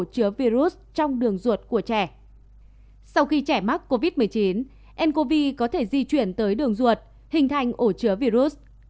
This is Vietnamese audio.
sau khi trẻ mắc covid một mươi chín có thể di chuyển tới đường ruột hình thành ổ chứa virus